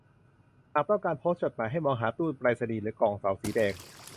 หากต้องการโพสต์จดหมายให้มองหาตู้ไปรษณีย์หรือกล่องเสาสีแดง